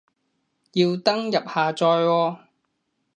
要登入下載喎